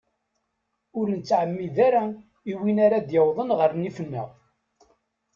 Ur nettɛemmid ara i win ara ad d-yawḍen ɣer nnif-nneɣ.